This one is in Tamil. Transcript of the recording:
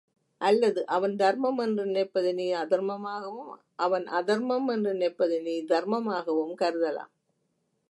அல்லது அவன் தர்மம் என்று நினைப்பதை நீ அதர்மமாகவும், அவன் அதர்மம் என்று நினைப்பதை நீ தர்மமாகவும் கருதலாம்.